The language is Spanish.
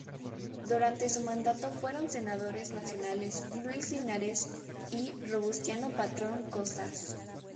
Durante su mandato fueron senadores nacionales Luis Linares y Robustiano Patrón Costas.